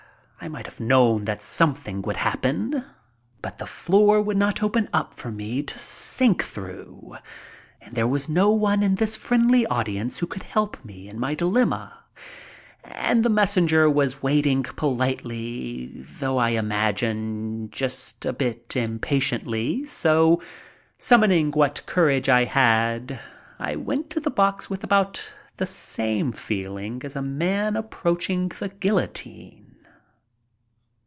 I might have known that something would happen. 136 MY TRIP ABROAD But the floor would not open up for me to sink through and there was no one in this friendly audience who could help me in my dilemma, and the messenger was waiting politely, though I imagined just a bit impatiently, so, sum moning what courage I had, I went to the box with about the same feeling as a man approaching the guillotine.